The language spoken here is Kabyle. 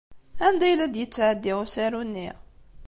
Anda ay la d-yettɛeddi usaru-nni?